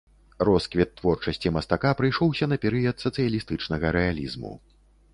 Росквіт творчасці мастака прыйшоўся на перыяд сацыялістычнага рэалізму.